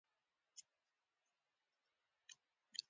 وطن سره مينه د ايمان نښه ده.